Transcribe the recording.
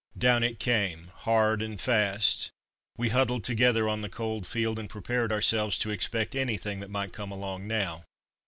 Down it came, hard and fast. We huddled together on the cold field and prepared ourselves to expect anything that might come along now.